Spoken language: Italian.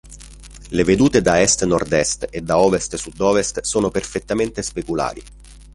Le vedute da est nord est e da ovest sud ovest sono perfettamente speculari.